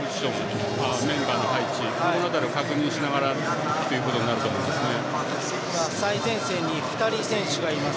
この辺りを確認しながらという感じになると思います。